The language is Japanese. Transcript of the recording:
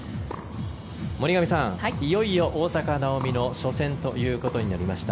森上さん、いよいよ大坂なおみの初戦ということになりました。